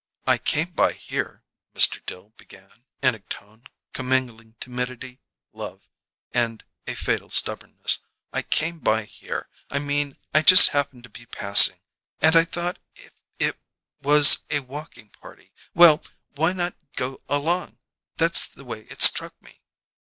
"I came by here," Mr. Dill began in a tone commingling timidity, love, and a fatal stubbornness; "I came by here I mean I just happened to be passing and I thought if it was a walking party, well, why not go along? That's the way it struck me."